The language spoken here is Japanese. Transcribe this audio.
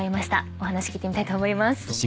お話聞いてみたいと思います。